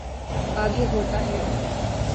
آگے ہوتا ہے۔